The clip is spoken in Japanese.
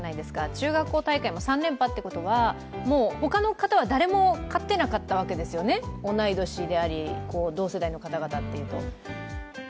中学校大会も３連覇ということは、他の方は誰も勝てなかったわけですよね、同い年であり同世代の方々というと。